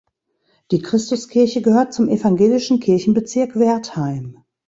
Die Christuskirche gehört zum Evangelischen Kirchenbezirk Wertheim.